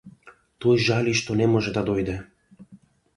Тој жали што не може да дојде.